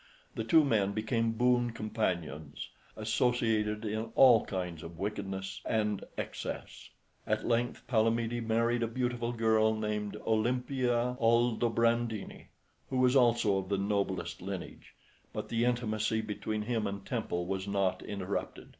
The two men became boon companions, associated in all kinds of wickedness and excess. At length Palamede married a beautiful girl named Olimpia Aldobrandini, who was also of the noblest lineage; but the intimacy between him and Temple was not interrupted.